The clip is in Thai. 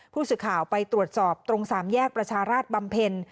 ผู้สื่อข่าวไปตรวจสอบตรงสามแยกประชาราชบำเพ็ญ